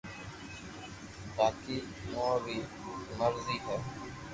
باقي اووہ روي مرزو ھي